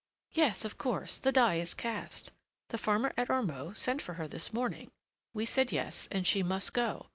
"Yes, of course; the die is cast. The farmer at Ormeaux sent for her this morning; we said yes, and she must go.